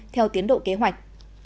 theo tiến độ kế hoạch